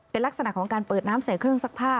เป็นลักษณะของการเปิดน้ำใส่เครื่องซักผ้า